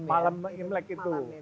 malam imlek itu